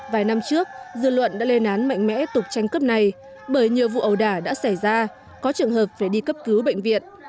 vài năm trước dư luận đã lên án mạnh mẽ tục tranh cướp này bởi nhiều vụ ẩu đả đã xảy ra có trường hợp phải đi cấp cứu bệnh viện